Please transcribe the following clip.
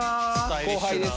後輩です